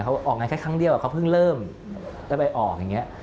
เขาออกงานแค่ครั้งเดียวเขาเพิ่งเริ่มแล้วไปออกอย่างนี้